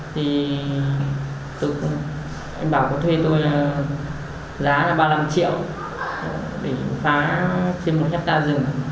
thì anh bảo có thuê tôi giá ba mươi năm triệu để phá trên một hectare rừng